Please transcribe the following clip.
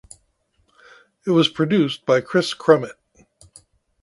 It was produced by Kris Crummett.